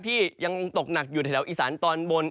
ที่ยังตกหนักอยู่แถวอีสานตอนบน